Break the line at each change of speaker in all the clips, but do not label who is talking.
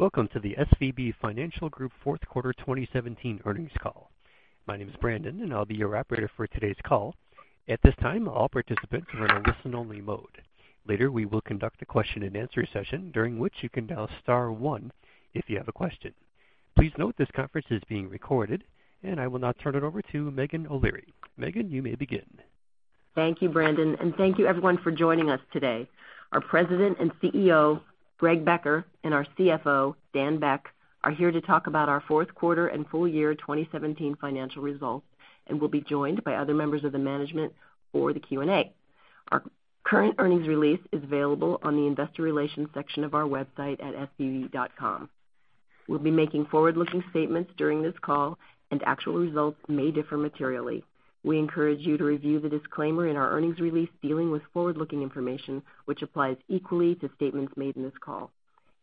Welcome to the SVB Financial Group fourth quarter 2017 earnings call. My name is Brandon, I'll be your operator for today's call. At this time, all participants are in a listen-only mode. Later, we will conduct a question-and-answer session during which you can dial star one if you have a question. Please note this conference is being recorded, I will now turn it over to Meghan O'Leary. Meghan, you may begin.
Thank you, Brandon, thank you everyone for joining us today. Our President and CEO, Greg Becker, our CFO, Dan Beck, are here to talk about our fourth quarter and full year 2017 financial results, will be joined by other members of the management for the Q&A. Our current earnings release is available on the investor relations section of our website at svb.com. We'll be making forward-looking statements during this call, actual results may differ materially. We encourage you to review the disclaimer in our earnings release dealing with forward-looking information, which applies equally to statements made in this call.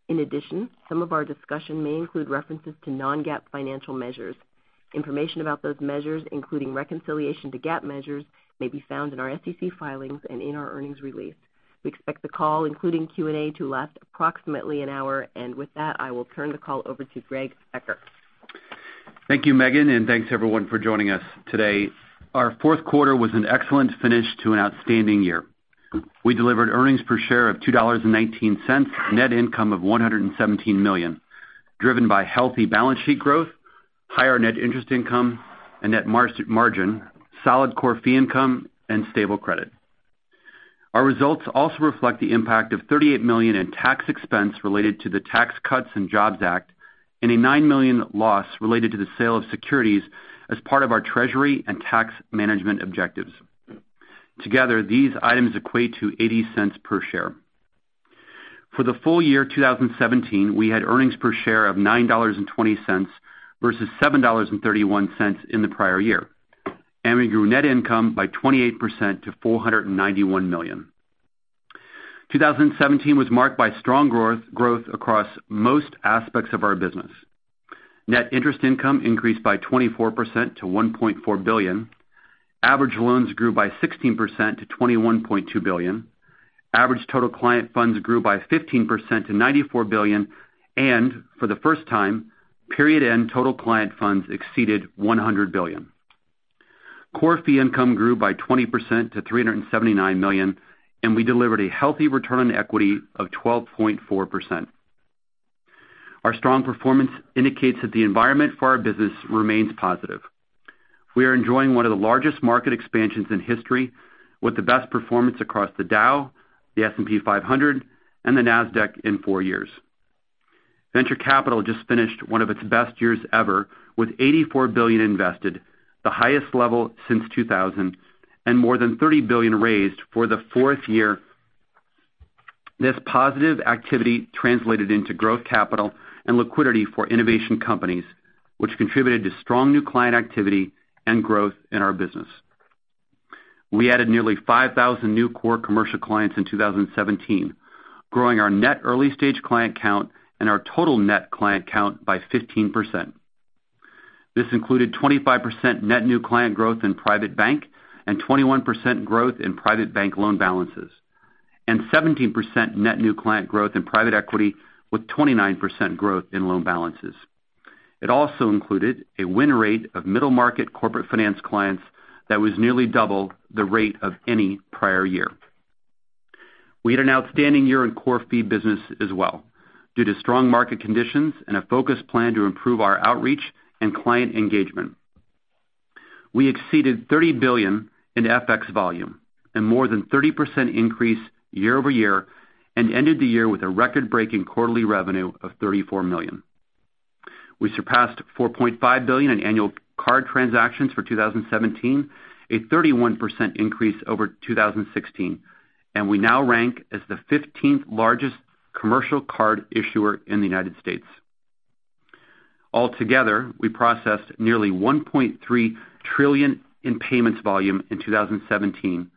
In addition, some of our discussion may include references to non-GAAP financial measures. Information about those measures, including reconciliation to GAAP measures, may be found in our SEC filings in our earnings release. We expect the call, including Q&A, to last approximately an hour. With that, I will turn the call over to Greg Becker.
Thank you, Megan, thanks everyone for joining us today. Our fourth quarter was an excellent finish to an outstanding year. We delivered earnings per share of $2.19, net income of $117 million, driven by healthy balance sheet growth, higher net interest income and net margin, solid core fee income, and stable credit. Our results also reflect the impact of $38 million in tax expense related to the Tax Cuts and Jobs Act a $9 million loss related to the sale of securities as part of our treasury and tax management objectives. Together, these items equate to $0.80 per share. For the full year 2017, we had earnings per share of $9.20 versus $7.31 in the prior year, we grew net income by 28% to $491 million. 2017 was marked by strong growth across most aspects of our business. Net interest income increased by 24% to $1.4 billion. Average loans grew by 16% to $21.2 billion. Average total client funds grew by 15% to $94 billion, and for the first time, period-end total client funds exceeded $100 billion. Core fee income grew by 20% to $379 million, and we delivered a healthy return on equity of 12.4%. Our strong performance indicates that the environment for our business remains positive. We are enjoying one of the largest market expansions in history with the best performance across the Dow, the S&P 500, and the NASDAQ in four years. Venture capital just finished one of its best years ever with $84 billion invested, the highest level since 2000, and more than $30 billion raised for the fourth year. This positive activity translated into growth capital and liquidity for innovation companies, which contributed to strong new client activity and growth in our business. We added nearly 5,000 new core commercial clients in 2017, growing our net early-stage client count and our total net client count by 15%. This included 25% net new client growth in private bank, and 21% growth in private bank loan balances, and 17% net new client growth in private equity, with 29% growth in loan balances. It also included a win rate of middle-market corporate finance clients that was nearly double the rate of any prior year. We had an outstanding year in core fee business as well due to strong market conditions and a focused plan to improve our outreach and client engagement. We exceeded $30 billion in FX volume, a more than 30% increase year-over-year, and ended the year with a record-breaking quarterly revenue of $34 million. We surpassed $4.5 billion in annual card transactions for 2017, a 31% increase over 2016, and we now rank as the 15th largest commercial card issuer in the U.S. Altogether, we processed nearly $1.3 trillion in payments volume in 2017,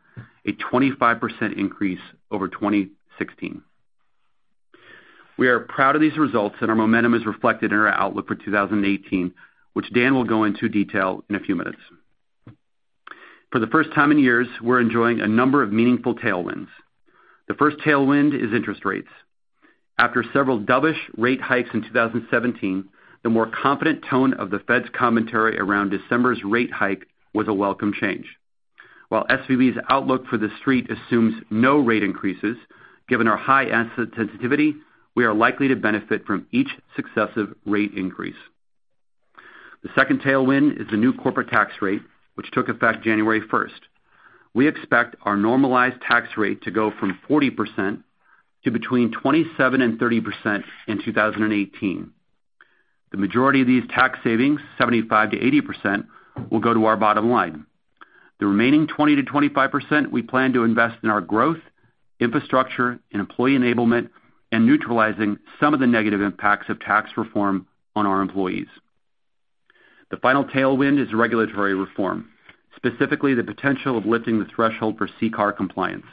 a 25% increase over 2016. We are proud of these results, and our momentum is reflected in our outlook for 2018, which Dan will go into detail in a few minutes. For the first time in years, we're enjoying a number of meaningful tailwinds. The first tailwind is interest rates. After several dovish rate hikes in 2017, the more confident tone of the Fed's commentary around December's rate hike was a welcome change. While SVB's outlook for the Street assumes no rate increases, given our high asset sensitivity, we are likely to benefit from each successive rate increase. The second tailwind is the new corporate tax rate, which took effect January 1st. We expect our normalized tax rate to go from 40% to between 27% and 30% in 2018. The majority of these tax savings, 75%-80%, will go to our bottom line. The remaining 20%-25% we plan to invest in our growth, infrastructure, and employee enablement, and neutralizing some of the negative impacts of tax reform on our employees. The final tailwind is regulatory reform, specifically the potential of lifting the threshold for CCAR compliance.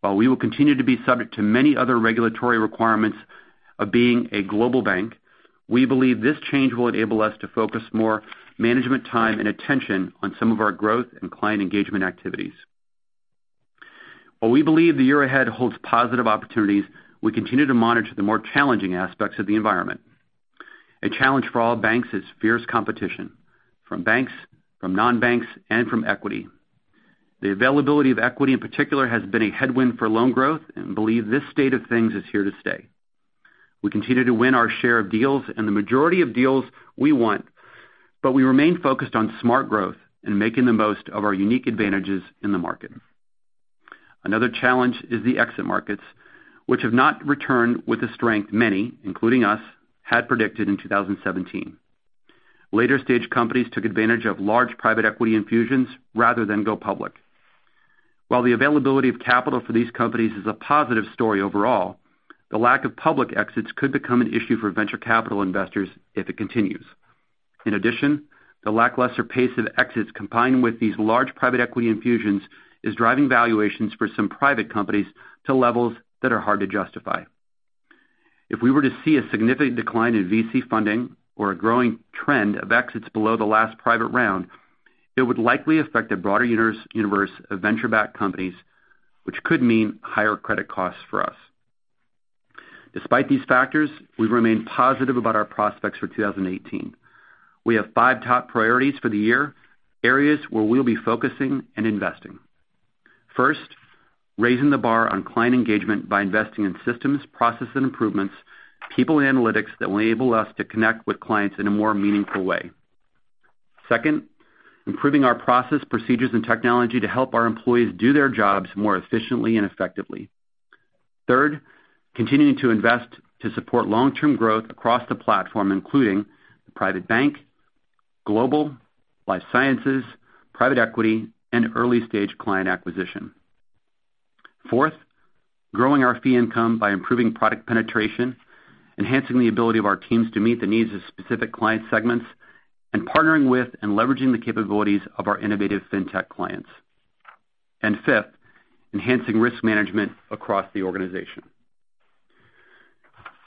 While we will continue to be subject to many other regulatory requirements of being a global bank, we believe this change will enable us to focus more management time and attention on some of our growth and client engagement activities. While we believe the year ahead holds positive opportunities, we continue to monitor the more challenging aspects of the environment. A challenge for all banks is fierce competition from banks, from non-banks, and from equity. The availability of equity, in particular, has been a headwind for loan growth, and believe this state of things is here to stay. We continue to win our share of deals and the majority of deals we won, but we remain focused on smart growth and making the most of our unique advantages in the market. Another challenge is the exit markets, which have not returned with the strength many, including us, had predicted in 2017. Later-stage companies took advantage of large private equity infusions rather than go public. While the availability of capital for these companies is a positive story overall, the lack of public exits could become an issue for venture capital investors if it continues. In addition, the lackluster pace of exits, combined with these large private equity infusions, is driving valuations for some private companies to levels that are hard to justify. If we were to see a significant decline in VC funding or a growing trend of exits below the last private round, it would likely affect a broader universe of venture-backed companies, which could mean higher credit costs for us. Despite these factors, we remain positive about our prospects for 2018. We have five top priorities for the year, areas where we'll be focusing and investing. First, raising the bar on client engagement by investing in systems, process and improvements, people analytics that will enable us to connect with clients in a more meaningful way. Second, improving our process, procedures, and technology to help our employees do their jobs more efficiently and effectively. Third, continuing to invest to support long-term growth across the platform, including the private bank, global, life sciences, private equity, and early-stage client acquisition. Fourth, growing our fee income by improving product penetration, enhancing the ability of our teams to meet the needs of specific client segments, and partnering with and leveraging the capabilities of our innovative fintech clients. Fifth, enhancing risk management across the organization.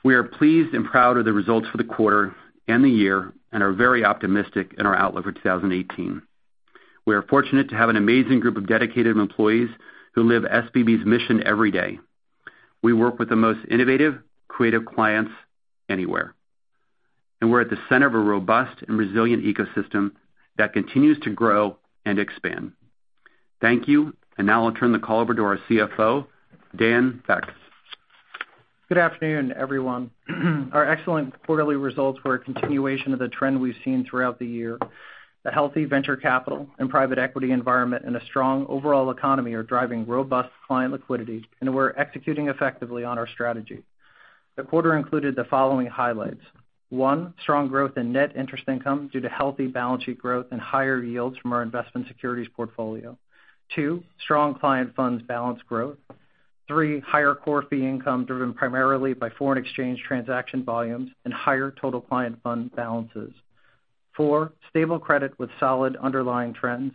We are pleased and proud of the results for the quarter and the year and are very optimistic in our outlook for 2018. We are fortunate to have an amazing group of dedicated employees who live SVB's mission every day. We work with the most innovative, creative clients anywhere, and we're at the center of a robust and resilient ecosystem that continues to grow and expand. Thank you. Now I'll turn the call over to our CFO, Dan Beck.
Good afternoon, everyone. Our excellent quarterly results were a continuation of the trend we've seen throughout the year. A healthy venture capital and private equity environment and a strong overall economy are driving robust client liquidity, and we're executing effectively on our strategy. The quarter included the following highlights. 1, strong growth in net interest income due to healthy balance sheet growth and higher yields from our investment securities portfolio. 2, strong client funds balance growth. 3, higher core fee income driven primarily by foreign exchange transaction volumes and higher total client fund balances. 4, stable credit with solid underlying trends.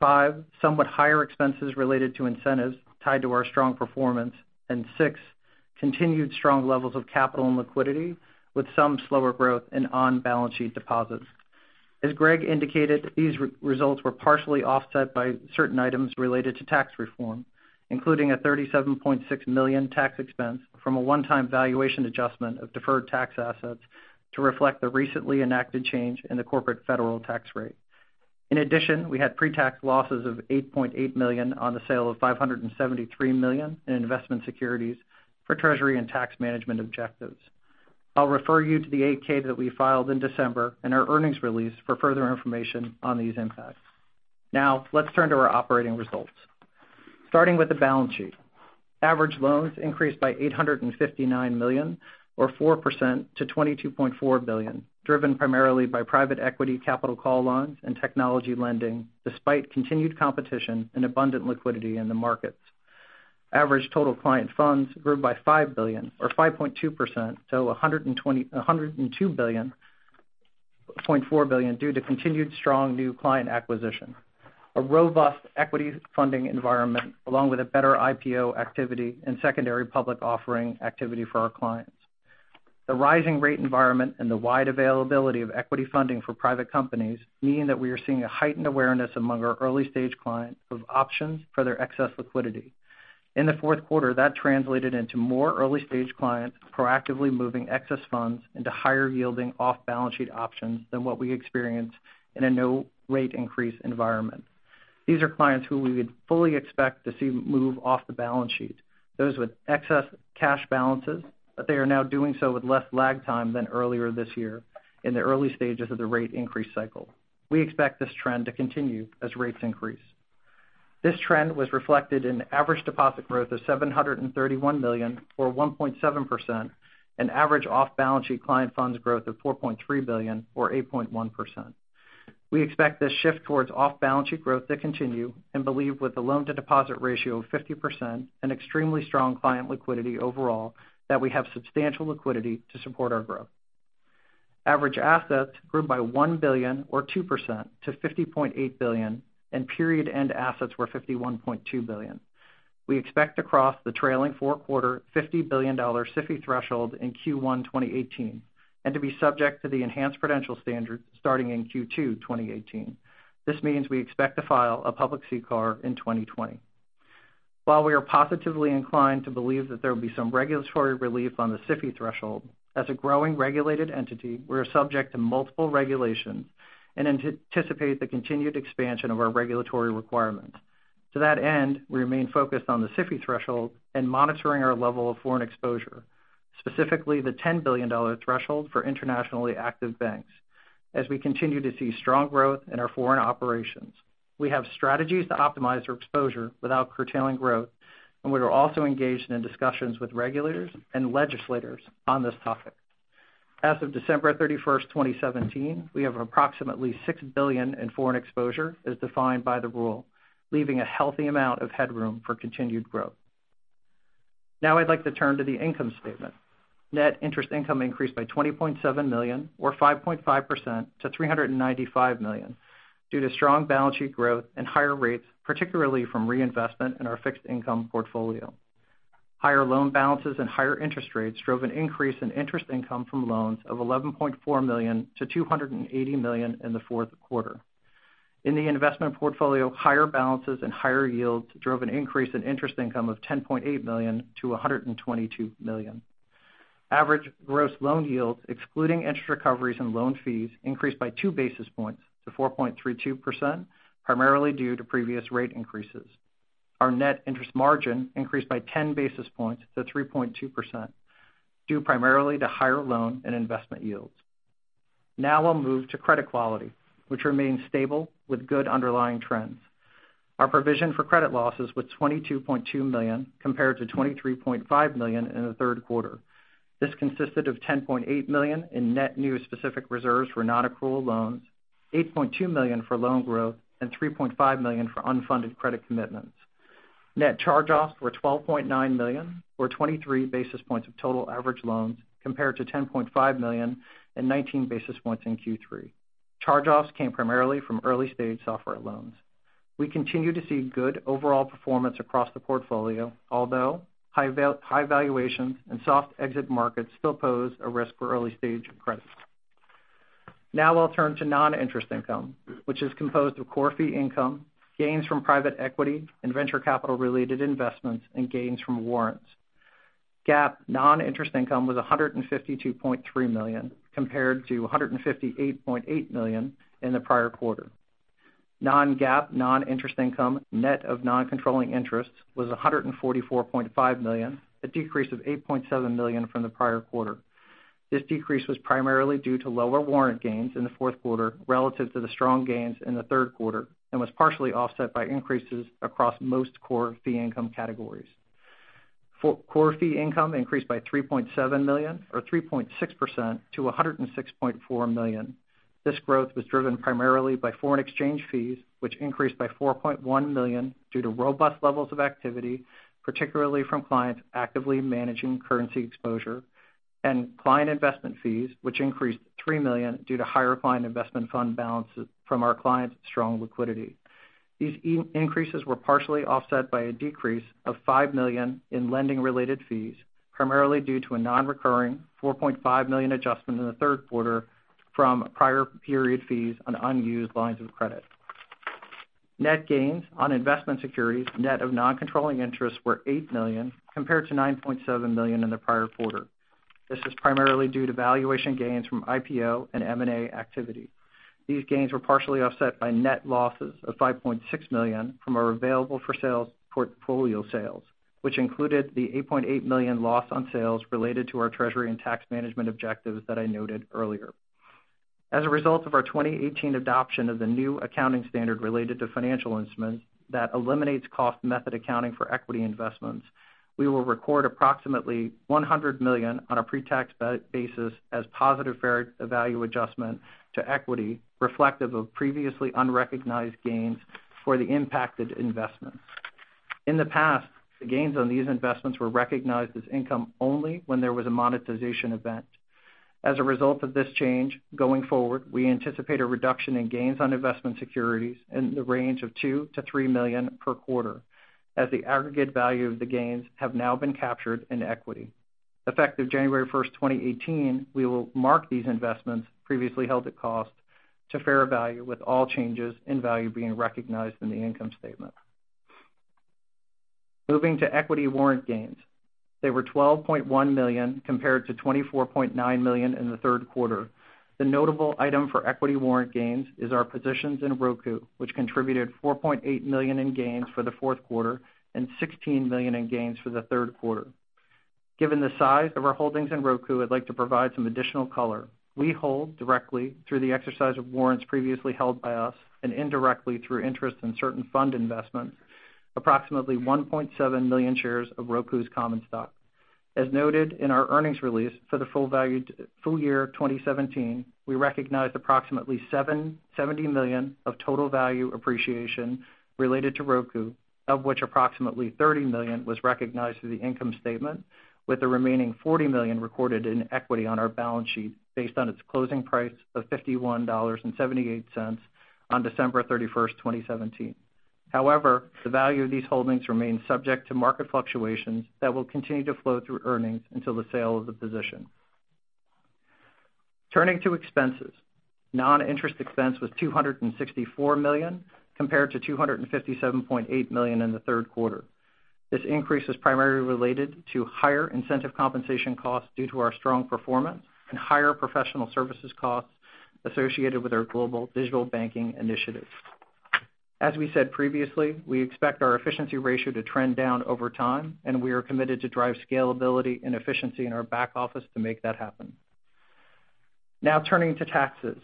5, somewhat higher expenses related to incentives tied to our strong performance. 6, continued strong levels of capital and liquidity with some slower growth in on-balance sheet deposits. As Greg indicated, these results were partially offset by certain items related to tax reform, including a $37.6 million tax expense from a one-time valuation adjustment of deferred tax assets to reflect the recently enacted change in the corporate federal tax rate. In addition, we had pre-tax losses of $8.8 million on the sale of $573 million in investment securities for treasury and tax management objectives. I'll refer you to the 8-K that we filed in December and our earnings release for further information on these impacts. Now let's turn to our operating results. Starting with the balance sheet. Average loans increased by $859 million or 4% to $22.4 billion, driven primarily by private equity capital call loans and technology lending despite continued competition and abundant liquidity in the markets. Average total client funds grew by $5 billion or 5.2% to $102.4 billion due to continued strong new client acquisition. A robust equity funding environment, along with a better IPO activity and secondary public offering activity for our clients. The rising rate environment and the wide availability of equity funding for private companies mean that we are seeing a heightened awareness among our early-stage clients of options for their excess liquidity. In the fourth quarter, that translated into more early-stage clients proactively moving excess funds into higher-yielding off-balance sheet options than what we experience in a no rate increase environment. These are clients who we would fully expect to see move off the balance sheet, those with excess cash balances, but they are now doing so with less lag time than earlier this year in the early stages of the rate increase cycle. We expect this trend to continue as rates increase. This trend was reflected in average deposit growth of $731 million or 1.7%, an average off-balance sheet client funds growth of $4.3 billion or 8.1%. We expect this shift towards off-balance sheet growth to continue and believe with the loan-to-deposit ratio of 50% and extremely strong client liquidity overall, that we have substantial liquidity to support our growth. Average assets grew by $1 billion or 2% to $50.8 billion, and period-end assets were $51.2 billion. We expect to cross the trailing four quarter $50 billion SIFI threshold in Q1 2018, and to be subject to the enhanced prudential standard starting in Q2 2018. This means we expect to file a public CCAR in 2020. While we are positively inclined to believe that there will be some regulatory relief on the SIFI threshold, as a growing regulated entity, we're subject to multiple regulations and anticipate the continued expansion of our regulatory requirements. To that end, we remain focused on the SIFI threshold and monitoring our level of foreign exposure, specifically the $10 billion threshold for internationally active banks as we continue to see strong growth in our foreign operations. We have strategies to optimize our exposure without curtailing growth, and we are also engaged in discussions with regulators and legislators on this topic. As of December 31st, 2017, we have approximately $6 billion in foreign exposure as defined by the rule, leaving a healthy amount of headroom for continued growth. Now I'd like to turn to the income statement. Net interest income increased by $20.7 million or 5.5% to $395 million due to strong balance sheet growth and higher rates, particularly from reinvestment in our fixed income portfolio. Higher loan balances and higher interest rates drove an increase in interest income from loans of $11.4 million to $280 million in the fourth quarter. In the investment portfolio, higher balances and higher yields drove an increase in interest income of $10.8 million to $122 million. Average gross loan yields, excluding interest recoveries and loan fees, increased by two basis points to 4.32%, primarily due to previous rate increases. Our net interest margin increased by 10 basis points to 3.2%, due primarily to higher loan and investment yields. Now I'll move to credit quality, which remains stable with good underlying trends. Our provision for credit losses was $22.2 million, compared to $23.5 million in the third quarter. This consisted of $10.8 million in net new specific reserves for non-accrual loans, $8.2 million for loan growth, and $3.5 million for unfunded credit commitments. Net charge-offs were $12.9 million or 23 basis points of total average loans, compared to $10.5 million and 19 basis points in Q3. Charge-offs came primarily from early-stage software loans. We continue to see good overall performance across the portfolio, although high valuations and soft exit markets still pose a risk for early-stage credits. Now I'll turn to non-interest income, which is composed of core fee income, gains from private equity and venture capital-related investments, and gains from warrants. GAAP non-interest income was $152.3 million, compared to $158.8 million in the prior quarter. Non-GAAP non-interest income, net of non-controlling interests, was $144.5 million, a decrease of $8.7 million from the prior quarter. This decrease was primarily due to lower warrant gains in the fourth quarter relative to the strong gains in the third quarter and was partially offset by increases across most core fee income categories. Core fee income increased by $3.7 million or 3.6% to $106.4 million. This growth was driven primarily by foreign exchange fees, which increased by $4.1 million due to robust levels of activity, particularly from clients actively managing currency exposure, and client investment fees, which increased $3 million due to higher client investment fund balances from our clients' strong liquidity. These increases were partially offset by a decrease of $5 million in lending-related fees, primarily due to a non-recurring $4.5 million adjustment in the third quarter from prior period fees on unused lines of credit. Net gains on investment securities net of non-controlling interests were $8 million, compared to $9.7 million in the prior quarter. This is primarily due to valuation gains from IPO and M&A activity. These gains were partially offset by net losses of $5.6 million from our available for sale portfolio sales, which included the $8.8 million loss on sales related to our treasury and tax management objectives that I noted earlier. As a result of our 2018 adoption of the new accounting standard related to financial instruments that eliminates cost method accounting for equity investments, we will record approximately $100 million on a pre-tax basis as positive fair value adjustment to equity reflective of previously unrecognized gains for the impacted investments. In the past, the gains on these investments were recognized as income only when there was a monetization event. As a result of this change, going forward, we anticipate a reduction in gains on investment securities in the range of $2 million-$3 million per quarter as the aggregate value of the gains have now been captured in equity. Effective January 1st, 2018, we will mark these investments previously held at cost to fair value with all changes in value being recognized in the income statement. Moving to equity warrant gains. They were $12.1 million compared to $24.9 million in the third quarter. The notable item for equity warrant gains is our positions in Roku, which contributed $4.8 million in gains for the fourth quarter and $16 million in gains for the third quarter. Given the size of our holdings in Roku, I'd like to provide some additional color. We hold directly through the exercise of warrants previously held by us and indirectly through interest in certain fund investments, approximately 1.7 million shares of Roku's common stock. As noted in our earnings release for the full year 2017, we recognized approximately $70 million of total value appreciation related to Roku, of which approximately $30 million was recognized through the income statement with the remaining $40 million recorded in equity on our balance sheet based on its closing price of $51.78 on December 31st, 2017. However, the value of these holdings remains subject to market fluctuations that will continue to flow through earnings until the sale of the position. Turning to expenses. Non-interest expense was $264 million, compared to $257.8 million in the third quarter. This increase is primarily related to higher incentive compensation costs due to our strong performance and higher professional services costs associated with our global digital banking initiative. As we said previously, we expect our efficiency ratio to trend down over time, and we are committed to drive scalability and efficiency in our back office to make that happen. Now turning to taxes.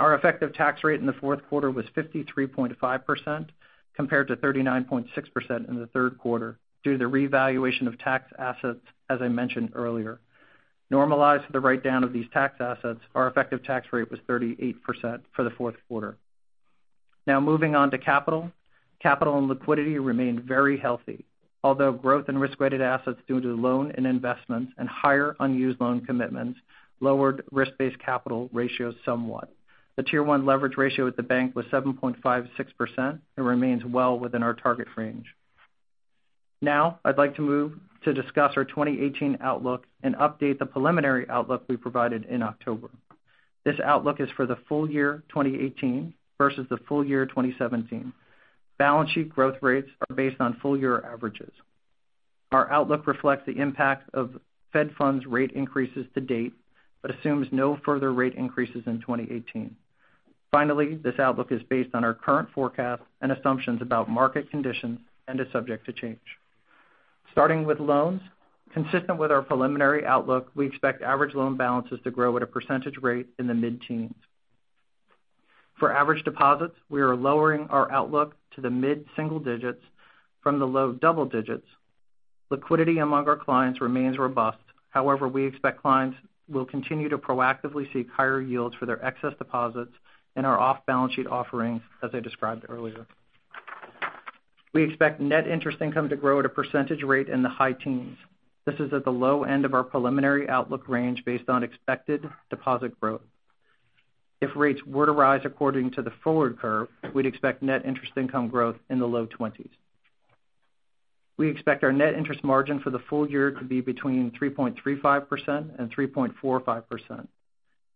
Our effective tax rate in the fourth quarter was 53.5%, compared to 39.6% in the third quarter due to the revaluation of tax assets, as I mentioned earlier. Normalized for the write-down of these tax assets, our effective tax rate was 38% for the fourth quarter. Now moving on to capital. Capital and liquidity remained very healthy, although growth in risk-weighted assets due to loans and investments and higher unused loan commitments lowered risk-based capital ratios somewhat. The Tier 1 leverage ratio at the bank was 7.56% and remains well within our target range. I'd like to move to discuss our 2018 outlook and update the preliminary outlook we provided in October. This outlook is for the full year 2018 versus the full year 2017. Balance sheet growth rates are based on full year averages. Our outlook reflects the impact of Fed funds rate increases to date but assumes no further rate increases in 2018. This outlook is based on our current forecast and assumptions about market conditions and is subject to change. Starting with loans. Consistent with our preliminary outlook, we expect average loan balances to grow at a percentage rate in the mid-teens. For average deposits, we are lowering our outlook to the mid-single digits from the low double digits. Liquidity among our clients remains robust. We expect clients will continue to proactively seek higher yields for their excess deposits in our off-balance sheet offerings, as I described earlier. We expect net interest income to grow at a percentage rate in the high teens. This is at the low end of our preliminary outlook range based on expected deposit growth. If rates were to rise according to the forward curve, we'd expect net interest income growth in the low 20s. We expect our net interest margin for the full year to be between 3.35% and 3.45%.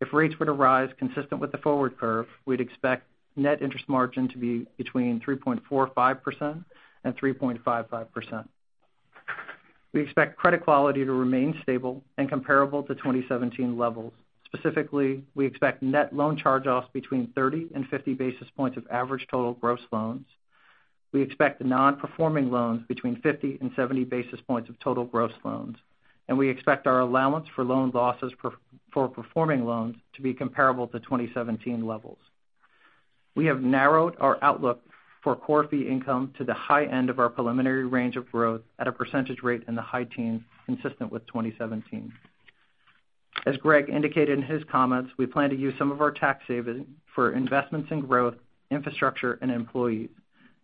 If rates were to rise consistent with the forward curve, we'd expect net interest margin to be between 3.45% and 3.55%. We expect credit quality to remain stable and comparable to 2017 levels. Specifically, we expect net loan charge-offs between 30 and 50 basis points of average total gross loans. We expect non-performing loans between 50 and 70 basis points of total gross loans, and we expect our allowance for loan losses for performing loans to be comparable to 2017 levels. We have narrowed our outlook for core fee income to the high end of our preliminary range of growth at a percentage rate in the high teens, consistent with 2017. As Greg indicated in his comments, we plan to use some of our tax savings for investments in growth, infrastructure, and employees.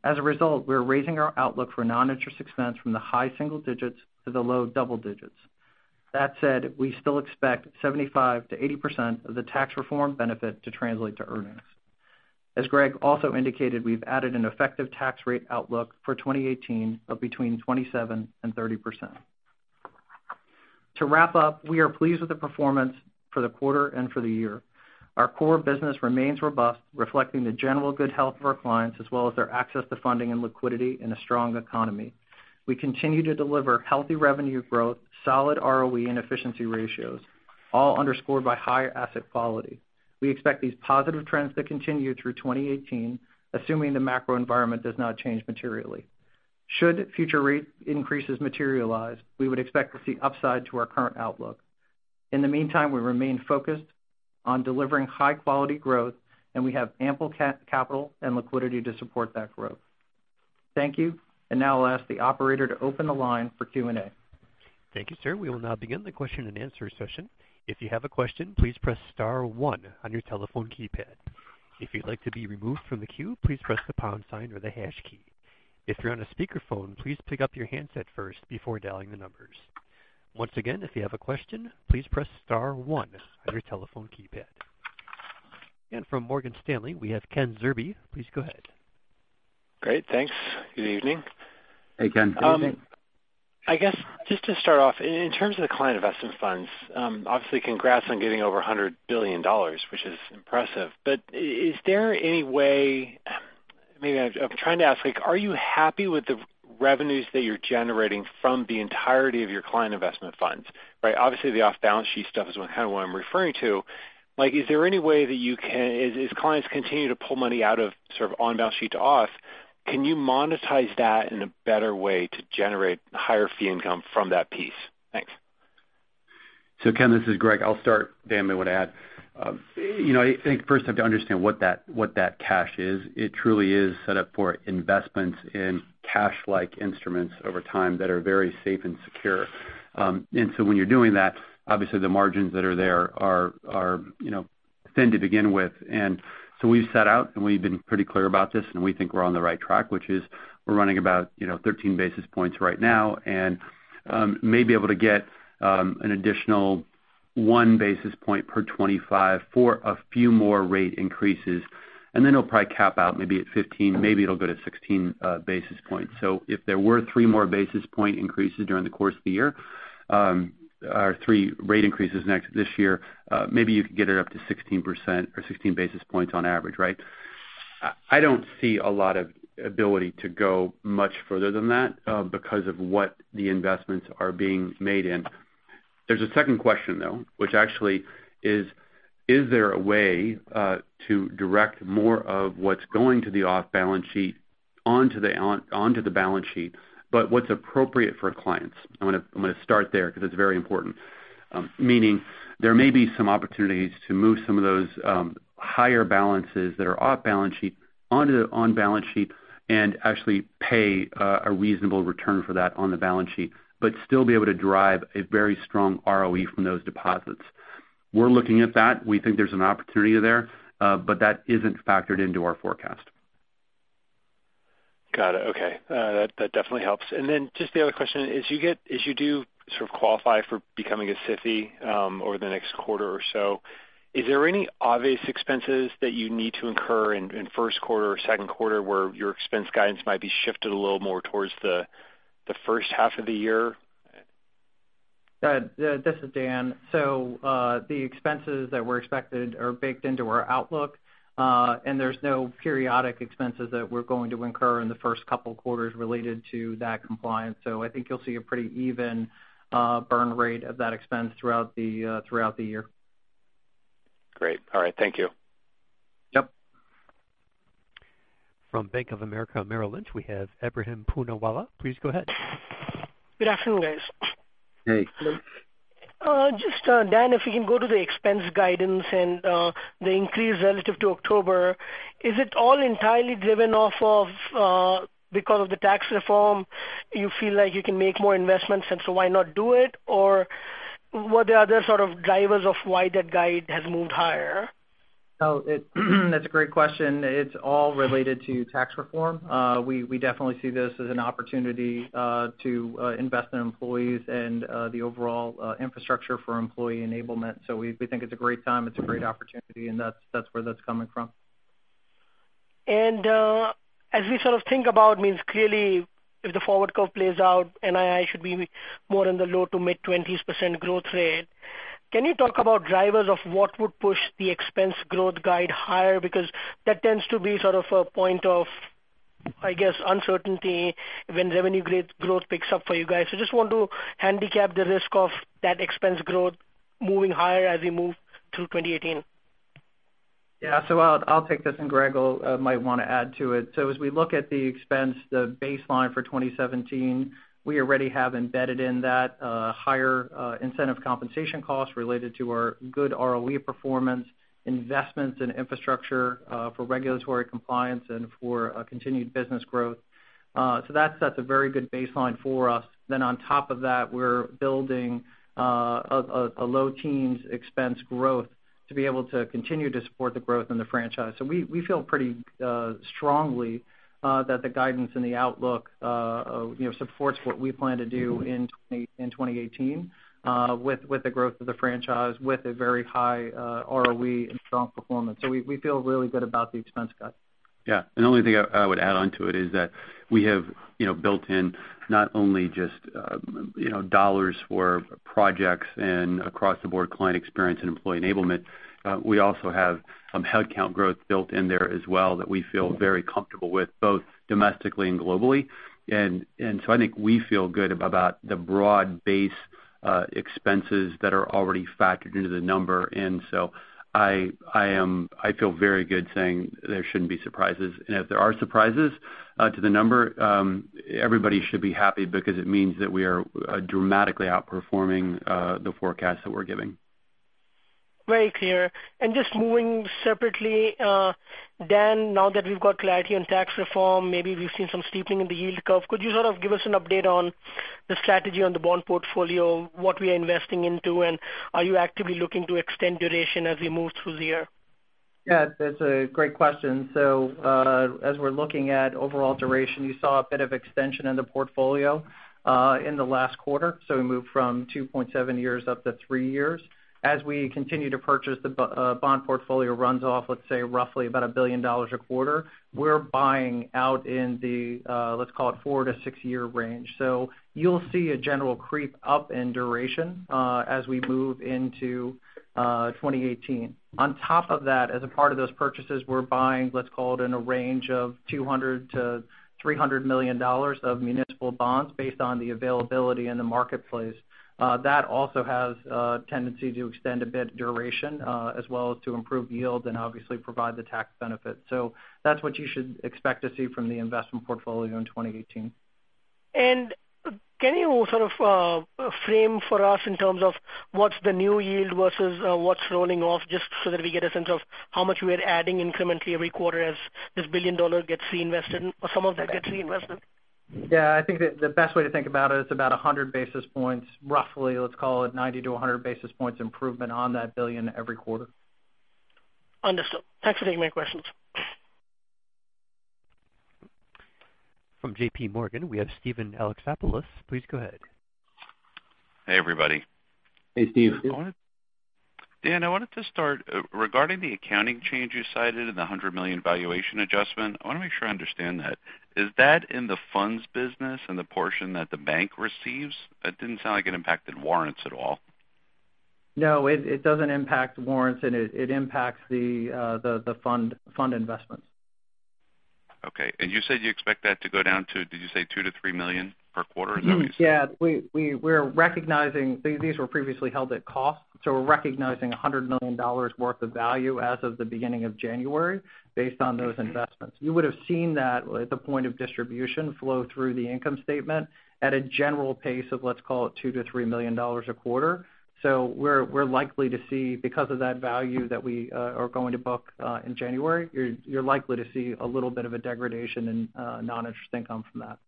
We are raising our outlook for non-interest expense from the high single digits to the low double digits. We still expect 75%-80% of the tax reform benefit to translate to earnings. As Greg also indicated, we've added an effective tax rate outlook for 2018 of between 27% and 30%. To wrap up, we are pleased with the performance for the quarter and for the year. Our core business remains robust, reflecting the general good health of our clients, as well as their access to funding and liquidity in a strong economy. We continue to deliver healthy revenue growth, solid ROE and efficiency ratios, all underscored by higher asset quality. We expect these positive trends to continue through 2018, assuming the macro environment does not change materially. Should future rate increases materialize, we would expect to see upside to our current outlook. In the meantime, we remain focused on delivering high-quality growth, and we have ample capital and liquidity to support that growth. Thank you. Now I'll ask the operator to open the line for Q&A.
Thank you, sir. We will now begin the question and answer session. If you have a question, please press *1 on your telephone keypad. If you'd like to be removed from the queue, please press the pound sign or the hash key. If you're on a speakerphone, please pick up your handset first before dialing the numbers. Once again, if you have a question, please press *1 on your telephone keypad. From Morgan Stanley, we have Ken Zerbe. Please go ahead.
Great, thanks. Good evening.
Hey, Ken. How are you doing?
I guess just to start off, in terms of the client investment funds, obviously congrats on getting over $100 billion, which is impressive. Maybe I'm trying to ask, are you happy with the revenues that you're generating from the entirety of your client investment funds? Obviously, the off-balance sheet stuff is kind of what I'm referring to. As clients continue to pull money out of on-balance sheet to off, can you monetize that in a better way to generate higher fee income from that piece? Thanks.
Ken, this is Greg. I'll start. Dan may want to add. I think first you have to understand what that cash is. It truly is set up for investments in cash-like instruments over time that are very safe and secure. When you're doing that, obviously the margins that are there are thin to begin with. We've set out, and we've been pretty clear about this, and we think we're on the right track, which is we're running about 13 basis points right now and may be able to get an additional One basis point per 25 for a few more rate increases, then it'll probably cap out maybe at 15, maybe it'll go to 16 basis points. If there were three more basis point increases during the course of the year, or three rate increases this year, maybe you could get it up to 16% or 16 basis points on average, right? I don't see a lot of ability to go much further than that because of what the investments are being made in. There's a second question, though, which actually is: Is there a way to direct more of what's going to the off-balance sheet onto the balance sheet, but what's appropriate for clients? I'm going to start there because it's very important. Meaning there may be some opportunities to move some of those higher balances that are off balance sheet onto the on-balance sheet and actually pay a reasonable return for that on the balance sheet, but still be able to drive a very strong ROE from those deposits. We're looking at that. We think there's an opportunity there. That isn't factored into our forecast.
Got it. Okay. That definitely helps. Just the other question, as you do sort of qualify for becoming a SIFI over the next quarter or so, is there any obvious expenses that you need to incur in first quarter or second quarter where your expense guidance might be shifted a little more towards the first half of the year?
This is Dan. The expenses that were expected are baked into our outlook. There's no periodic expenses that we're going to incur in the first couple quarters related to that compliance. I think you'll see a pretty even burn rate of that expense throughout the year.
Great. All right. Thank you.
Yep.
From Bank of America Merrill Lynch, we have Ebrahim Poonawala. Please go ahead.
Good afternoon, guys.
Hey.
Just, Dan, if we can go to the expense guidance and the increase relative to October. Is it all entirely driven because of the tax reform, you feel like you can make more investments and why not do it? What are the other sort of drivers of why that guide has moved higher?
That's a great question. It's all related to tax reform. We definitely see this as an opportunity to invest in employees and the overall infrastructure for employee enablement. We think it's a great time, it's a great opportunity, and that's where that's coming from.
As we sort of think about means clearly if the forward curve plays out, NII should be more in the low to mid-20s% growth rate. Can you talk about drivers of what would push the expense growth guide higher because that tends to be sort of a point of, I guess, uncertainty when revenue growth picks up for you guys. Just want to handicap the risk of that expense growth moving higher as we move through 2018.
Yeah. I'll take this and Greg might want to add to it. As we look at the expense, the baseline for 2017, we already have embedded in that higher incentive compensation costs related to our good ROE performance, investments in infrastructure for regulatory compliance and for continued business growth. That sets a very good baseline for us. On top of that, we're building a low teens expense growth to be able to continue to support the growth in the franchise. We feel pretty strongly that the guidance and the outlook supports what we plan to do in 2018 with the growth of the franchise with a very high ROE and strong performance. We feel really good about the expense cut.
Yeah. The only thing I would add onto it is that we have built in not only just dollars for projects and across the board client experience and employee enablement. We also have some headcount growth built in there as well that we feel very comfortable with, both domestically and globally. I think we feel good about the broad-based expenses that are already factored into the number. I feel very good saying there shouldn't be surprises. If there are surprises to the number, everybody should be happy because it means that we are dramatically outperforming the forecast that we're giving.
Very clear. Just moving separately, Dan, now that we've got clarity on tax reform, maybe we've seen some steepening in the yield curve. Could you sort of give us an update on the strategy on the bond portfolio, what we are investing into, and are you actively looking to extend duration as we move through the year?
Yeah, that's a great question. As we're looking at overall duration, you saw a bit of extension in the portfolio in the last quarter. We moved from 2.7 years up to 3 years. As we continue to purchase, the bond portfolio runs off, let's say, roughly about $1 billion a quarter. We're buying out in the, let's call it 4-6 year range. You'll see a general creep up in duration as we move into 2018. On top of that, as a part of those purchases, we're buying, let's call it in a range of $200 million-$300 million of municipal bonds based on the availability in the marketplace. That also has a tendency to extend a bit duration as well as to improve yield and obviously provide the tax benefit. That's what you should expect to see from the investment portfolio in 2018.
Can you sort of frame for us in terms of what's the new yield versus what's rolling off, just so that we get a sense of how much we're adding incrementally every quarter as this $1 billion gets reinvested or some of that gets reinvested?
Yeah, I think that the best way to think about it is about 100 basis points, roughly, let's call it 90 to 100 basis points improvement on that $1 billion every quarter.
Understood. Thanks for taking my questions.
From JPMorgan, we have Steven Alexopoulos. Please go ahead.
Hey, everybody.
Hey, Steve.
Dan, I wanted to start regarding the accounting change you cited in the $100 million valuation adjustment. I want to make sure I understand that. Is that in the funds business and the portion that the bank receives? That didn't sound like it impacted warrants at all.
No, it doesn't impact warrants, it impacts the fund investments.
Okay. You said you expect that to go down to, did you say $2 million-$3 million per quarter? Is that what you said?
These were previously held at cost. We're recognizing $100 million worth of value as of the beginning of January based on those investments. You would've seen that at the point of distribution flow through the income statement at a general pace of, let's call it, $2 million to $3 million a quarter. We're likely to see, because of that value that we are going to book in January, you're likely to see a little bit of a degradation in non-interest income from that.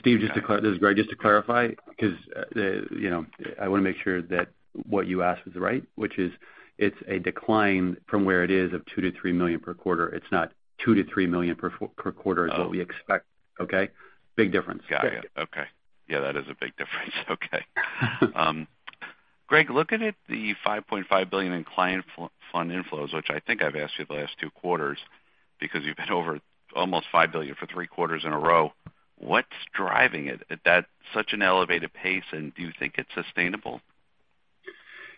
Steve, this is Greg. Just to clarify, because I want to make sure that what you asked was right, which is it's a decline from where it is of $2 million to $3 million per quarter. It's not $2 million to $3 million per quarter is what we expect. Okay. Big difference.
Got it. Okay. That is a big difference. Okay. Greg, looking at the $5.5 billion in client fund inflows, which I think I've asked you the last two quarters, because you've been over almost $5 billion for three quarters in a row, what's driving it at such an elevated pace? Do you think it's sustainable?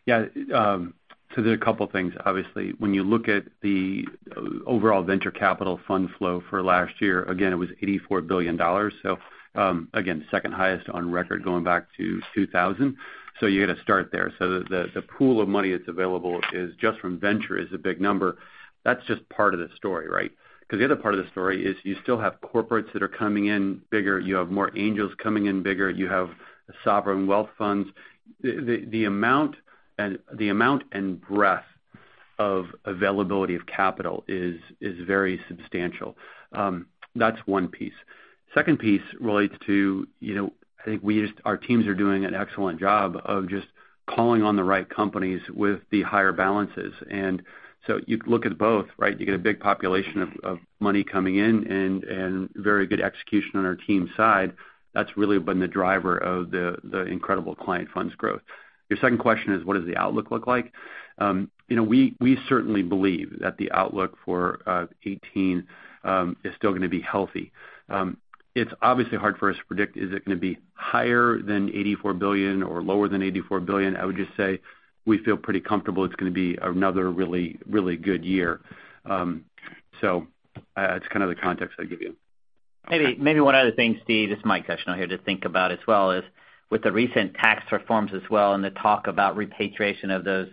There are a couple things. Obviously, when you look at the overall venture capital fund flow for last year, again, it was $84 billion. Again, second highest on record going back to 2000. You got to start there. The pool of money that's available just from venture is a big number. That's just part of the story, right? The other part of the story is you still have corporates that are coming in bigger. You have more angels coming in bigger. You have sovereign wealth funds. The amount and breadth of availability of capital is very substantial. That's one piece. Second piece relates to, I think our teams are doing an excellent job of just calling on the right companies with the higher balances. You look at both, right? You get a big population of money coming in and very good execution on our team side. That's really been the driver of the incredible client funds growth. Your second question is what does the outlook look like? We certainly believe that the outlook for 2018 is still going to be healthy. It's obviously hard for us to predict, is it going to be higher than $84 billion or lower than $84 billion? I would just say we feel pretty comfortable it's going to be another really good year. That's kind of the context I'd give you.
Okay. Maybe one other thing, Steven, this is Mike Descheneaux here, to think about as well is with the recent tax reforms as well, and the talk about repatriation of those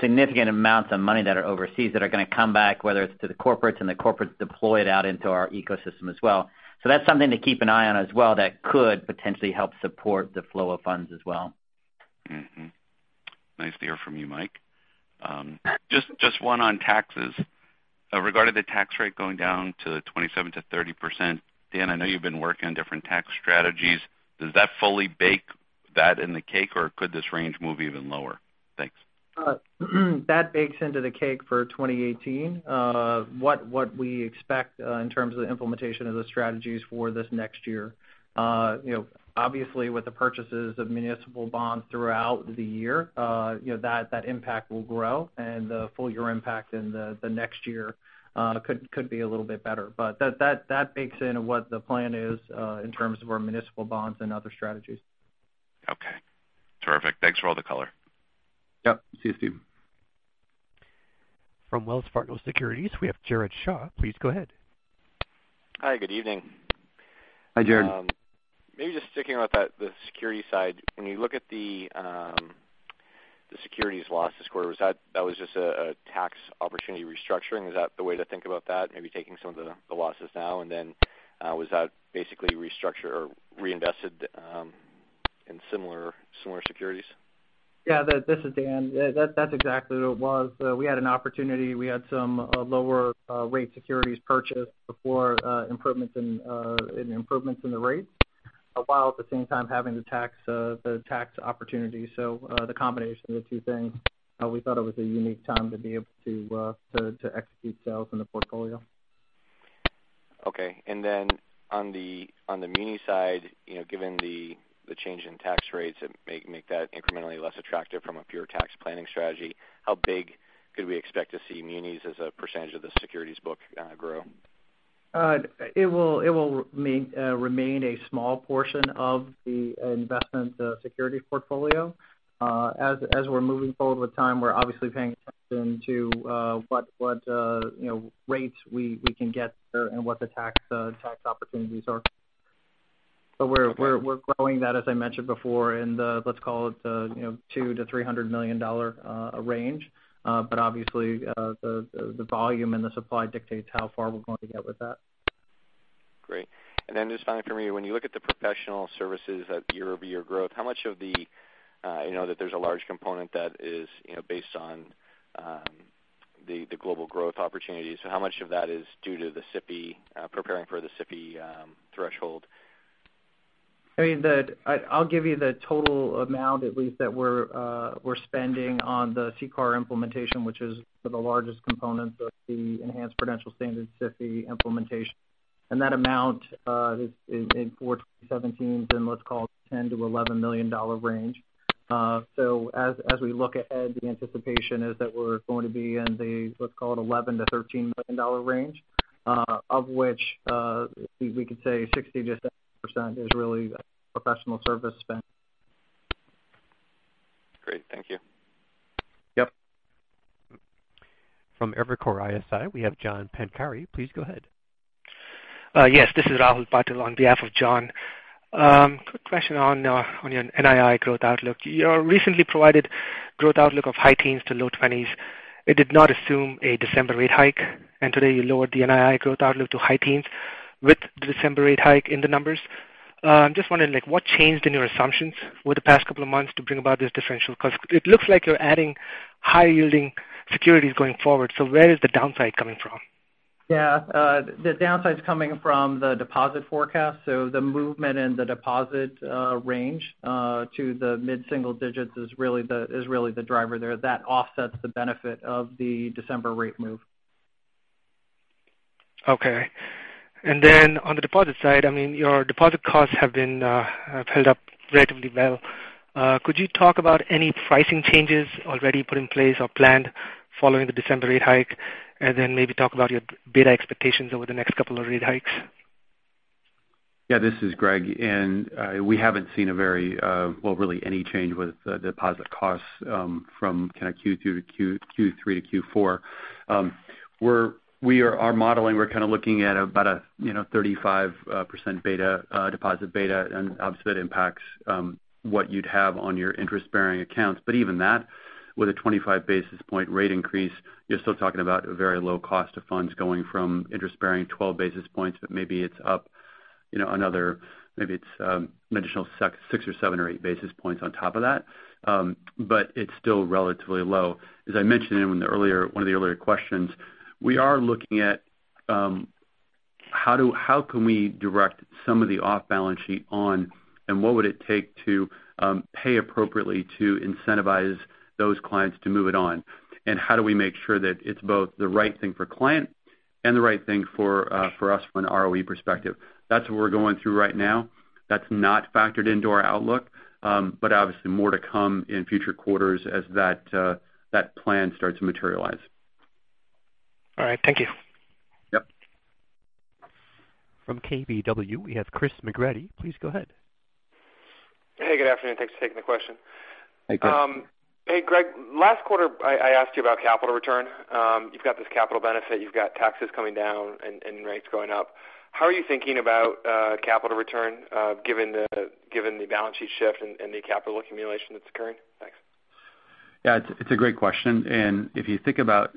significant amounts of money that are overseas that are going to come back, whether it's to the corporates and the corporates deploy it out into our ecosystem as well. That's something to keep an eye on as well that could potentially help support the flow of funds as well.
Nice to hear from you, Mike. Just one on taxes. Regarding the tax rate going down to 27%-30%, Dan, I know you've been working on different tax strategies. Does that fully bake that in the cake, or could this range move even lower? Thanks.
That bakes into the cake for 2018. What we expect in terms of the implementation of the strategies for this next year. Obviously, with the purchases of municipal bonds throughout the year, that impact will grow and the full year impact in the next year could be a little bit better. That bakes into what the plan is in terms of our municipal bonds and other strategies.
Okay. Terrific. Thanks for all the color.
Yep. See you, Steve.
From Wells Fargo Securities, we have Jared Shaw. Please go ahead.
Hi, good evening.
Hi, Jared.
Maybe just sticking about the security side. When you look at the securities losses quarter, that was just a tax opportunity restructuring. Is that the way to think about that? Maybe taking some of the losses now and then, was that basically restructure or reinvested in similar securities?
Yeah. This is Dan Beck. That's exactly what it was. We had an opportunity. We had some lower rate securities purchased before improvements in the rates, while at the same time having the tax opportunity. The combination of the two things, we thought it was a unique time to be able to execute sales in the portfolio.
Okay. On the muni side, given the change in tax rates that make that incrementally less attractive from a pure tax planning strategy, how big could we expect to see munis as a percentage of the securities book grow?
It will remain a small portion of the investment security portfolio. As we're moving forward with time, we're obviously paying attention to what rates we can get there and what the tax opportunities are.
Okay.
We're growing that, as I mentioned before, in the, let's call it, $200 million-$300 million range. Obviously, the volume and the supply dictates how far we're going to get with that.
Great. Just finally from me, when you look at the professional services, that year-over-year growth, I know that there's a large component that is based on the global growth opportunities, how much of that is due to preparing for the SIFI threshold?
I'll give you the total amount, at least that we're spending on the CCAR implementation, which is the largest component of the enhanced prudential standards SIFI implementation. That amount for 2017 is in, let's call it, $10 million-$11 million range. As we look ahead, the anticipation is that we're going to be in the, let's call it, $11 million-$13 million range, of which we could say 60%-70% is really professional service spend.
Great. Thank you.
Yep.
From Evercore ISI, we have John Pancari. Please go ahead.
Yes, this is Rahul Patil on behalf of John. Quick question on your NII growth outlook. You recently provided growth outlook of high teens to low twenties. Today you lowered the NII growth outlook to high teens with the December rate hike in the numbers. I'm just wondering what changed in your assumptions over the past couple of months to bring about this differential? Because it looks like you're adding high-yielding securities going forward. Where is the downside coming from?
Yeah. The downside's coming from the deposit forecast. The movement in the deposit range to the mid-single digits is really the driver there. That offsets the benefit of the December rate move.
Okay. On the deposit side, your deposit costs have held up relatively well. Could you talk about any pricing changes already put in place or planned following the December rate hike, and then maybe talk about your beta expectations over the next couple of rate hikes?
Yeah, this is Greg. We haven't seen a very, well, really any change with the deposit costs from kind of Q3 to Q4. Our modeling, we're kind of looking at about a 35% beta, deposit beta, and obviously that impacts what you'd have on your interest-bearing accounts. Even that, with a 25-basis-point rate increase, you're still talking about a very low cost of funds going from interest-bearing 12 basis points, but maybe it's up another additional 6 or 7 or 8 basis points on top of that. It's still relatively low. As I mentioned in one of the earlier questions, we are looking at how can we direct some of the off-balance sheet on, and what would it take to pay appropriately to incentivize those clients to move it on? How do we make sure that it's both the right thing for client and the right thing for us from an ROE perspective? That's what we're going through right now. That's not factored into our outlook. Obviously more to come in future quarters as that plan starts to materialize.
All right. Thank you.
Yep.
From KBW, we have Chris McGratty. Please go ahead.
Hey, good afternoon. Thanks for taking the question.
Hey, Chris.
Hey, Greg. Last quarter, I asked you about capital return. You've got this capital benefit. You've got taxes coming down and rates going up. How are you thinking about capital return given the balance sheet shift and the capital accumulation that's occurring? Thanks.
Yeah. It's a great question. If you think about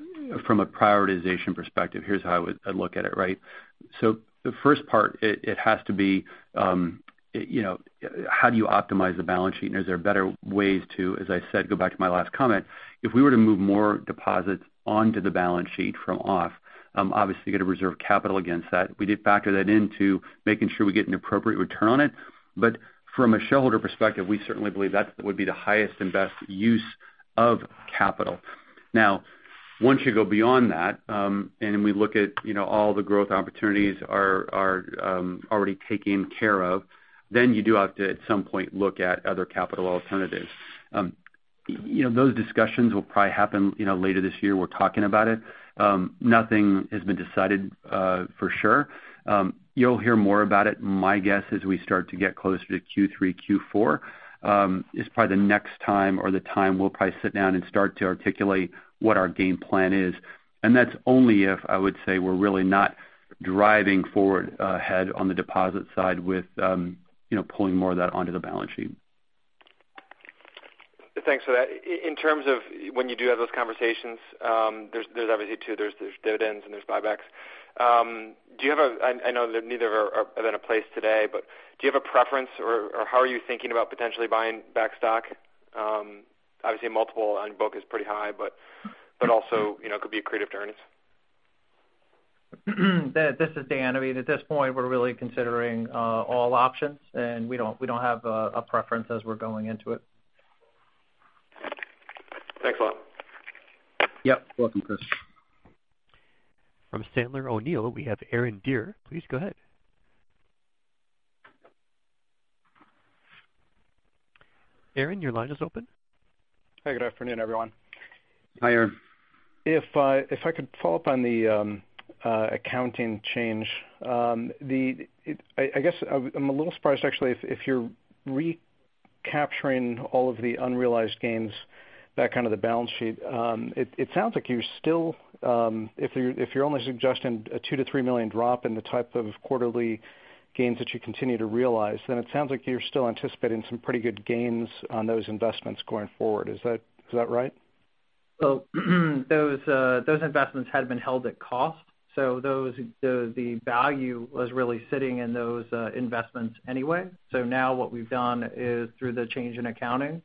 from a prioritization perspective, here's how I would look at it. The first part, it has to be how do you optimize the balance sheet? Is there better ways to, as I said, go back to my last comment, if we were to move more deposits onto the balance sheet from off, obviously you got to reserve capital against that. We did factor that into making sure we get an appropriate return on it. From a shareholder perspective, we certainly believe that would be the highest and best use of capital. Once you go beyond that, we look at all the growth opportunities are already taken care of, you do have to, at some point, look at other capital alternatives. Those discussions will probably happen later this year. We're talking about it. Nothing has been decided for sure. You'll hear more about it, my guess is we start to get closer to Q3, Q4 is probably the next time or the time we'll probably sit down and start to articulate what our game plan is. That's only if, I would say, we're really not driving forward ahead on the deposit side with pulling more of that onto the balance sheet.
Thanks for that. In terms of when you do have those conversations, there's obviously two, there's dividends and there's buybacks. I know that neither are in a place today, do you have a preference or how are you thinking about potentially buying back stock? Obviously, multiple on book is pretty high, also it could be accretive to earnings.
This is Dan. At this point, we're really considering all options, we don't have a preference as we're going into it.
Thanks a lot.
Yep. Welcome, Chris.
From Sandler O'Neill, we have Aaron Deer. Please go ahead. Aaron, your line is open.
Hey, good afternoon, everyone.
Hi, Aaron.
If I could follow up on the accounting change. I guess I'm a little surprised actually if you're recapturing all of the unrealized gains back onto the balance sheet. If you're only suggesting a $2 million-$3 million drop in the type of quarterly gains that you continue to realize, it sounds like you're still anticipating some pretty good gains on those investments going forward. Is that right?
Those investments had been held at cost. The value was really sitting in those investments anyway. Now what we've done is, through the change in accounting,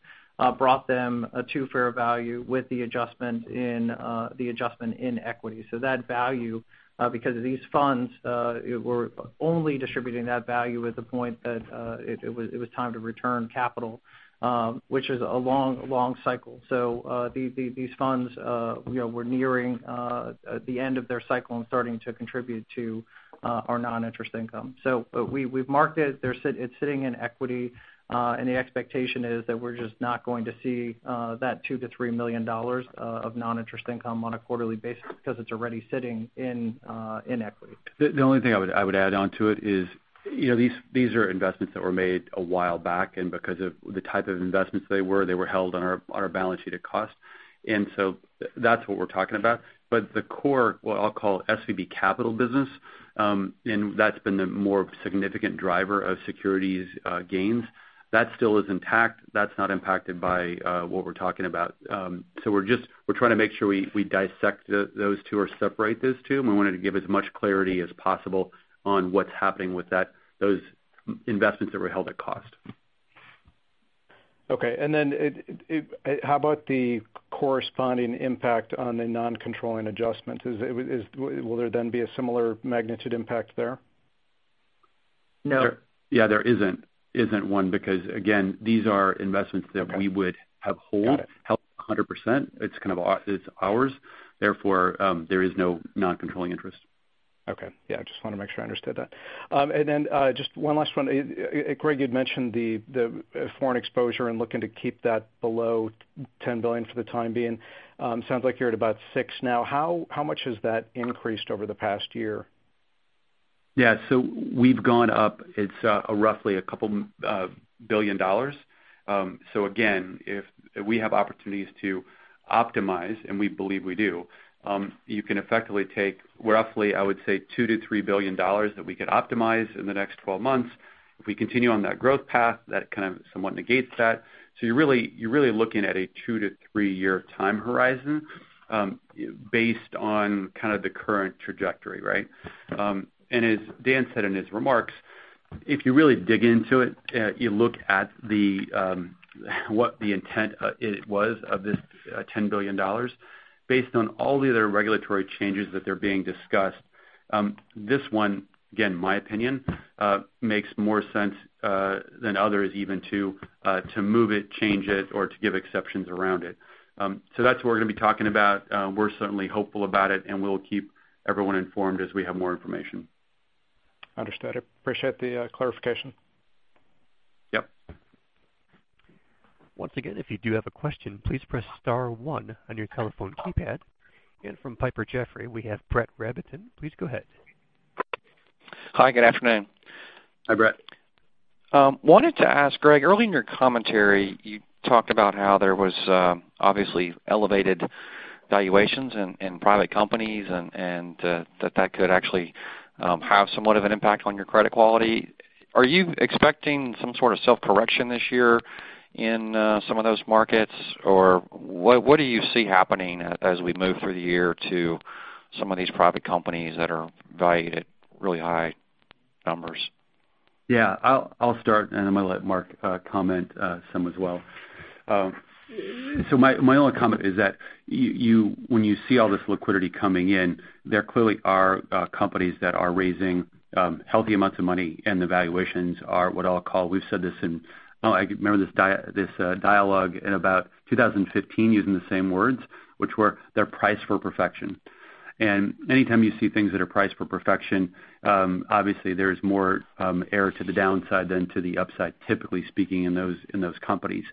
brought them to fair value with the adjustment in equity. That value, because these funds were only distributing that value at the point that it was time to return capital, which is a long cycle. These funds were nearing the end of their cycle and starting to contribute to our non-interest income. We've marked it. It's sitting in equity, and the expectation is that we're just not going to see that $2 million-$3 million of non-interest income on a quarterly basis because it's already sitting in equity.
The only thing I would add onto it is these are investments that were made a while back, and because of the type of investments they were, they were held on our balance sheet at cost. That's what we're talking about. The core, what I'll call SVB Capital business, and that's been the more significant driver of securities gains, that still is intact. That's not impacted by what we're talking about. We're trying to make sure we dissect those two or separate those two, and we wanted to give as much clarity as possible on what's happening with those investments that were held at cost.
Okay. How about the corresponding impact on the non-controlling adjustments? Will there then be a similar magnitude impact there?
No.
Yeah, there isn't one because, again, these are investments.
Okay
that we would have hold. Got it. held 100%. It's ours, therefore, there is no non-controlling interest.
Okay. Yeah, just want to make sure I understood that. Just one last one. Greg, you'd mentioned the foreign exposure and looking to keep that below $10 billion for the time being. Sounds like you're at about six now. How much has that increased over the past year?
Yeah. We've gone up. It's roughly a couple billion dollars. Again, if we have opportunities to optimize, and we believe we do, you can effectively take roughly, I would say $2 billion-$3 billion that we could optimize in the next 12 months. If we continue on that growth path, that kind of somewhat negates that. You're really looking at a two- to three-year time horizon based on kind of the current trajectory, right? As Dan said in his remarks, if you really dig into it, you look at what the intent was of this $10 billion. Based on all the other regulatory changes that they're being discussed, this one, again, my opinion, makes more sense than others even to move it, change it, or to give exceptions around it. That's what we're going to be talking about. We're certainly hopeful about it, we'll keep everyone informed as we have more information.
Understood. I appreciate the clarification.
Yep.
Once again, if you do have a question, please press *1 on your telephone keypad. From Piper Jaffray, we have Brett Rabatin. Please go ahead.
Hi, good afternoon.
Hi, Brett.
Wanted to ask, Greg, early in your commentary, you talked about how there was obviously elevated valuations in private companies and that that could actually have somewhat of an impact on your credit quality. Are you expecting some sort of self-correction this year in some of those markets? Or what do you see happening as we move through the year to some of these private companies that are valued at really high numbers?
Yeah. I'll start, and then I'm going to let Marc comment some as well. My only comment is that when you see all this liquidity coming in, there clearly are companies that are raising healthy amounts of money and the valuations are what I'll call. I remember this dialogue in about 2015 using the same words, which were, "They're priced for perfection." Anytime you see things that are priced for perfection, obviously there's more error to the downside than to the upside, typically speaking in those companies.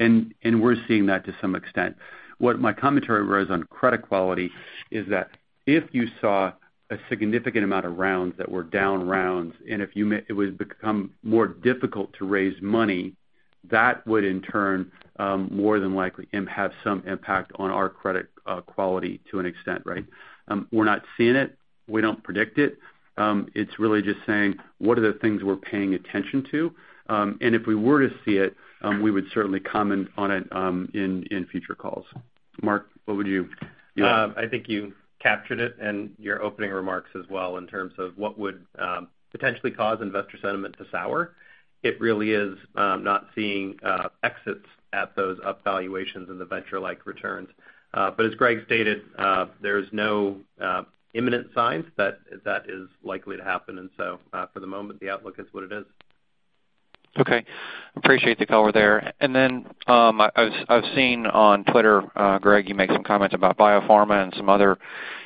We're seeing that to some extent. What my commentary was on credit quality is that if you saw a significant amount of rounds that were down rounds, and if it would become more difficult to raise money, that would in turn, more than likely have some impact on our credit quality to an extent, right? We're not seeing it. We don't predict it. It's really just saying, what are the things we're paying attention to? If we were to see it, we would certainly comment on it in future calls. Marc, what would you-
I think you captured it in your opening remarks as well in terms of what would potentially cause investor sentiment to sour. It really is not seeing exits at those up valuations in the venture-like returns. As Greg stated, there's no imminent signs that is likely to happen. For the moment, the outlook is what it is.
Okay. Appreciate the color there. Then, I've seen on Twitter, Greg, you made some comments about biopharma and some other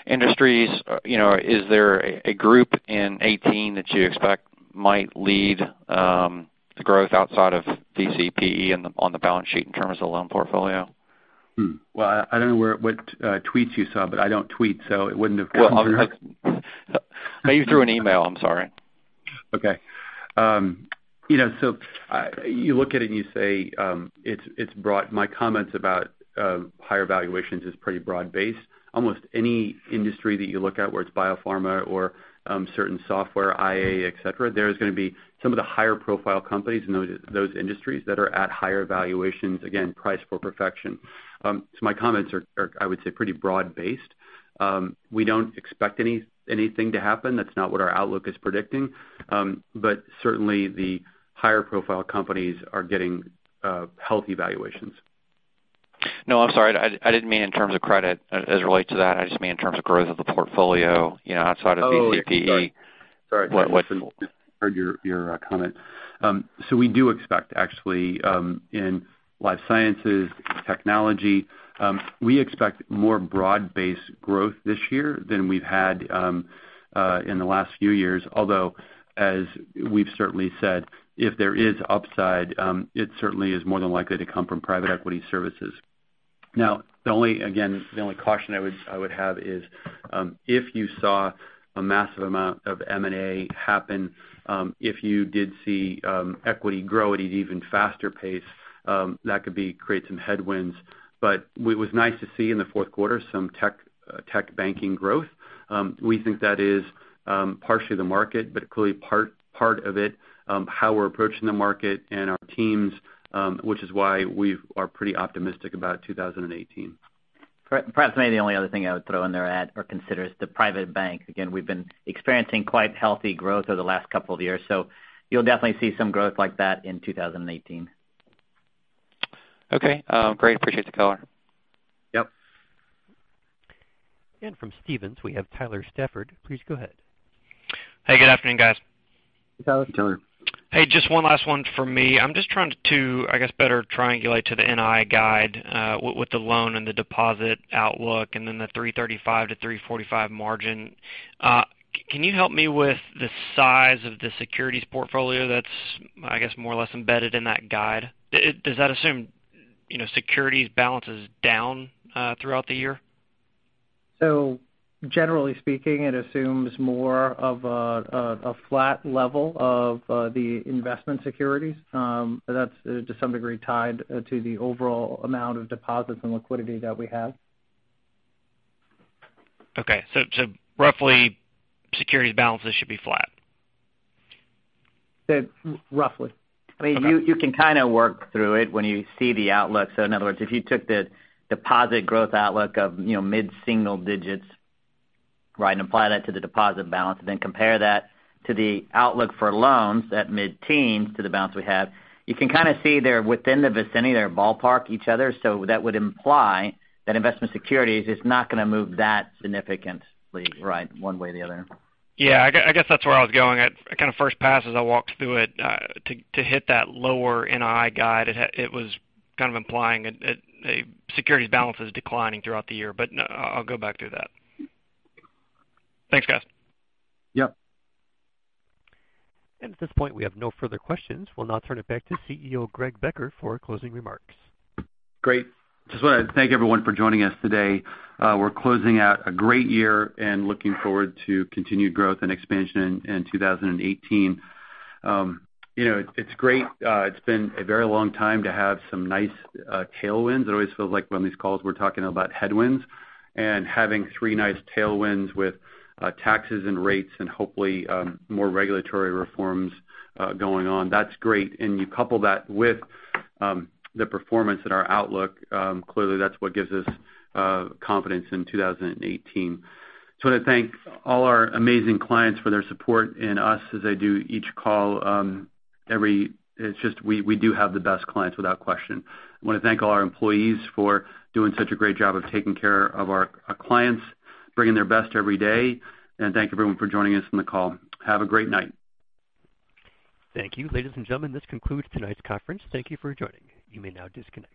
industries. Is there a group in 2018 that you expect might lead the growth outside of VCPE on the balance sheet in terms of the loan portfolio?
Well, I don't know what tweets you saw, but I don't tweet, so it wouldn't have come from me.
Maybe through an email. I'm sorry.
Okay. You look at it and you say it's brought my comments about higher valuations is pretty broad-based. Almost any industry that you look at, whether it's biopharma or certain software, AI, et cetera, there is going to be some of the higher profile companies in those industries that are at higher valuations, again, price for perfection. My comments are, I would say, pretty broad-based. We don't expect anything to happen. That's not what our outlook is predicting. Certainly the higher profile companies are getting healthy valuations.
No, I'm sorry. I didn't mean in terms of credit as it relates to that. I just mean in terms of growth of the portfolio outside of VCPE.
Sorry. I misheard your comment. We do expect actually in life sciences, technology, we expect more broad-based growth this year than we've had in the last few years. As we've certainly said, if there is upside it certainly is more than likely to come from private equity services. Again, the only caution I would have is if you saw a massive amount of M&A happen, if you did see equity grow at an even faster pace that could create some headwinds. It was nice to see in the fourth quarter some tech banking growth. We think that is partially the market, but clearly part of it how we're approaching the market and our teams, which is why we are pretty optimistic about 2018.
Perhaps maybe the only other thing I would throw in there or consider is the private bank. Again, we've been experiencing quite healthy growth over the last couple of years. You'll definitely see some growth like that in 2018.
Okay. Great. Appreciate the color.
Yep.
From Stephens, we have Tyler Stafford. Please go ahead.
Hey, good afternoon, guys.
Hey, Tyler.
Tyler.
Hey, just one last one for me. I'm just trying to, I guess, better triangulate to the NI guide with the loan and the deposit outlook and then the 335-345 margin. Can you help me with the size of the securities portfolio that's, I guess, more or less embedded in that guide? Does that assume securities balances down throughout the year?
Generally speaking, it assumes more of a flat level of the investment securities. That's to some degree tied to the overall amount of deposits and liquidity that we have.
Okay. Roughly securities balances should be flat.
Roughly.
You can kind of work through it when you see the outlook. In other words, if you took the deposit growth outlook of mid-single digits and apply that to the deposit balance, then compare that to the outlook for loans, that mid-teens to the balance we have, you can kind of see they're within the vicinity, they ballpark each other. That would imply that investment securities is not going to move that significantly one way or the other.
Yeah, I guess that's where I was going. At kind of first pass as I walked through it to hit that lower NI guide, it was kind of implying a securities balance is declining throughout the year. I'll go back through that. Thanks, guys.
Yep.
At this point, we have no further questions. We'll now turn it back to CEO Greg Becker for closing remarks.
Great. Just want to thank everyone for joining us today. We're closing out a great year and looking forward to continued growth and expansion in 2018. It's great. It's been a very long time to have some nice tailwinds. It always feels like on these calls we're talking about headwinds and having three nice tailwinds with taxes and rates and hopefully more regulatory reforms going on. That's great. You couple that with the performance in our outlook. Clearly that's what gives us confidence in 2018. Just want to thank all our amazing clients for their support and us as I do each call. We do have the best clients without question. I want to thank all our employees for doing such a great job of taking care of our clients, bringing their best every day. Thank everyone for joining us on the call. Have a great night.
Thank you. Ladies and gentlemen, this concludes tonight's conference. Thank you for joining. You may now disconnect.